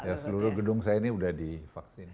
ya seluruh gedung saya ini sudah divaksin